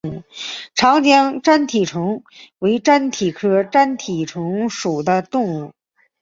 长江粘体虫为粘体科粘体虫属的动物。